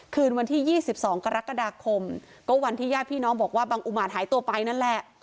คืนวันที่๒๒กรกฎาคมก็วันที่ญาติพี่น้องบอกว่าบังอุมารหายตัวไปนั่นแหละ